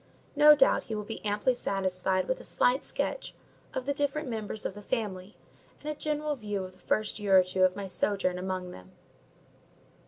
No doubt he will be amply satisfied with a slight sketch of the different members of the family, and a general view of the first year or two of my sojourn among them.